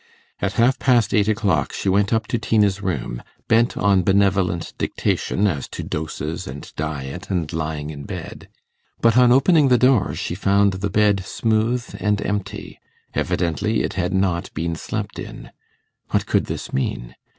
At half past eight o'clock she went up to Tina's room, bent on benevolent dictation as to doses and diet and lying in bed. But on opening the door she found the bed smooth and empty. Evidently it had not been slept in. What could this mean?